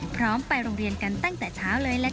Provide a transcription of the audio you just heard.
ไปโรงเรียนกันตั้งแต่เช้าเลยล่ะค่ะ